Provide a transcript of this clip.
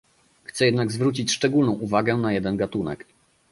Chcę jednak zwrócić szczególną uwagę na jeden gatunek